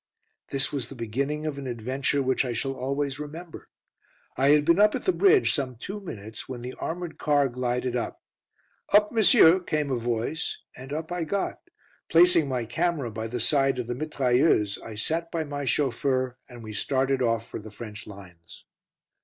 This was the beginning of an adventure which I shall always remember. I had been up at the bridge some two minutes, when the armoured car glided up. "Up, monsieur," came a voice, and up I got. Placing my camera by the side of the mitrailleuse, I sat by my chauffeur, and we started off for the French lines.